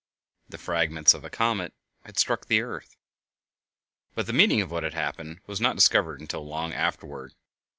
The fragments of a comet had struck the earth. But the meaning of what had happened was not discovered until long afterward.